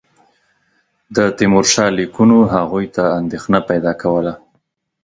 د تیمورشاه لیکونو هغوی ته اندېښنه پیدا کوله.